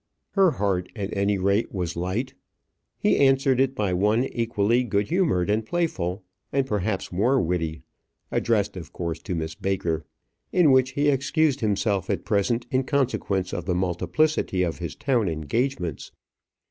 Her heart at any rate was light. He answered it by one equally good humoured and playful, and perhaps more witty, addressed of course to Miss Baker, in which he excused himself at present in consequence of the multiplicity of his town engagements.